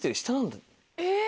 えっ！